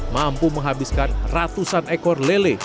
mampu menghabiskan ratusan ekor lele